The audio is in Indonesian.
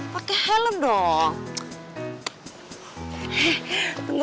pakai helm dong